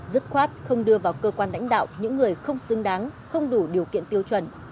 dứt khoát không đưa vào cơ quan lãnh đạo những người không xứng đáng không đủ điều kiện tiêu chuẩn